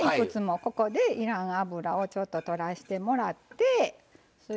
ここでいらん油をちょっととらしてもらって。